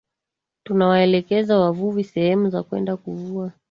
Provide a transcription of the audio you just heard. Tunawaelekeza wavuvi sehemu za kwenda kuvua